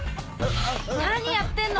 何やってんの！